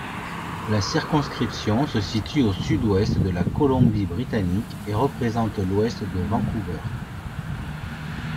La circonscription se situe au sud-ouest de la Colombie-Britannique et représente l'ouest de Vancouver.